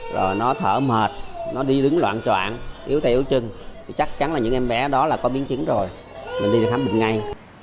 rồi nó thở mệt nó đi đứng loạn trọn yếu tay yếu chân chắc chắn là những em bé đó là có biến chứng rồi mình đi thám định ngay